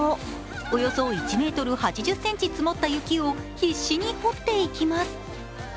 およそ１ｍ８０ｃｍ積もった雪を必死に掘っていきます。